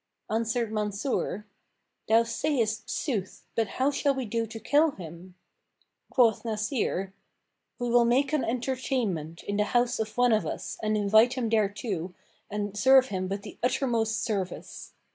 Answered Mansur, "Thou sayest sooth, but how shall we do to kill him?" Quoth Nasir, "We will make an entertainment in the house of one of us and invite him thereto and serve him with the uttermost service.